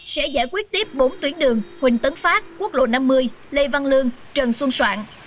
sẽ giải quyết tiếp bốn tuyến đường huỳnh tấn phát quốc lộ năm mươi lê văn lương trần xuân soạn